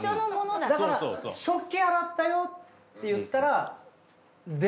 だから食器洗ったよって言ったらで？